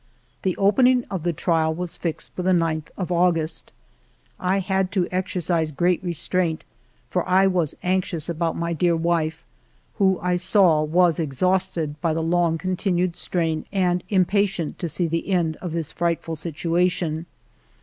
The opening of the trial was fixed for the 9th of August. I had to exercise great restraint, for I 20 3o6 FIVE YEARS OF MY LIFE was anxious about my dear wife, who, I saw, was exhausted by the long continued strain and im patient to see the end of this frightful situation.